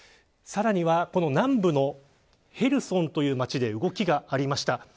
さらには南部のヘルソンという町で動きがありました。